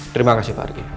terima kasih pak riki